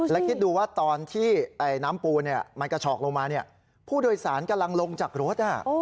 และคิดดูว่าตอนที่น้ำปูมันกระฉอกลงมาผู้โดยสารกำลังลงจากรถ